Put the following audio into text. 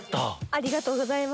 ありがとうございます。